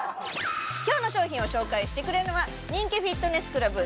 今日の商品を紹介してくれるのは人気フィットネスクラブ